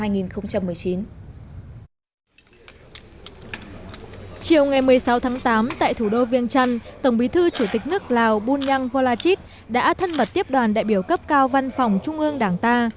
chiều ngày một mươi sáu tháng tám tại thủ đô viên trăn tổng bí thư chủ tịch nước lào bunyang volachit đã thân mật tiếp đoàn đại biểu cấp cao văn phòng trung ương đảng ta